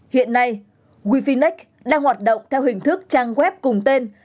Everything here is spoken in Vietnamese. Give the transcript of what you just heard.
hiện nay wefinex đang hoạt động theo hình thức trang web cùng tên